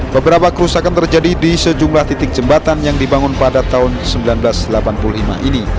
beberapa kerusakan terjadi di sejumlah titik jembatan yang dibangun pada tahun seribu sembilan ratus delapan puluh lima ini